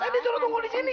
saya disuruh tunggu di sini